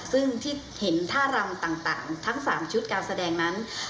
ซึ่งที่เห็นท่ารำต่างทั้ง๓ชุดการแสดงนั้น